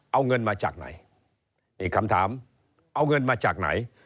เอาเงินมาจากไหนนี่คำถามเอาเงินมาจากไหน